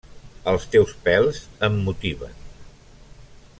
Els teus pèls em motiven.